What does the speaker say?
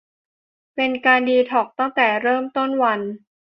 เป็นการดีท็อกซ์ตั้งแต่เริ่มต้นวัน